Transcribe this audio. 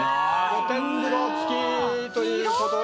露天風呂付きということで。